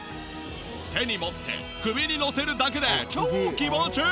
手に持って首にのせるだけで超気持ちいい！